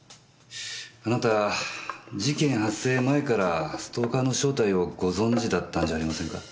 あなた事件発生前からストーカーの正体をご存じだったんじゃありませんか？